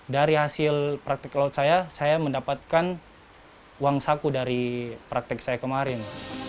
dari hasil praktik laut saya saya mendapatkan uang saku dari praktek saya kemarin